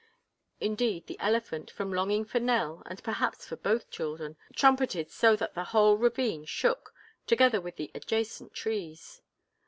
Indeed, the elephant, from longing for Nell, and perhaps for both children, trumpeted so that the whole ravine shook, together with the adjacent trees.